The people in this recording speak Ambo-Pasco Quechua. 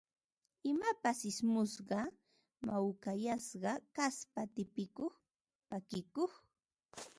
Imapas ismusqa, mawkayasqa kaspa tipikuq, pakikuq